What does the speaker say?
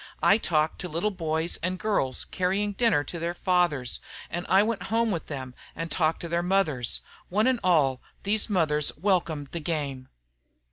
I talked to little boys and girls carrying dinner to their fathers, and I went home with them and talked to their mothers. One and all, these mothers welcomed the game."